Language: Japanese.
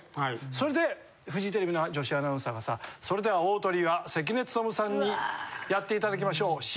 それでフジテレビの女子アナウンサーがさそれでは大トリは関根勤さんにやっていただきましょう。